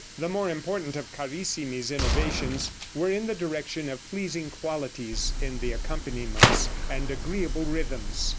The more important of Carissimi's innovations were in the direction of pleasing qualities in the accompaniments, and agreeable rhythms.